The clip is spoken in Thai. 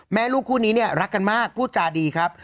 แม่ลูกคู่นี้รักกันมากผู้จาดีครับ